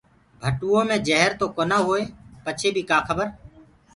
ڀٽوئو مي جهر تو ڪونآ هوئي پچي بي ڪآ کبر؟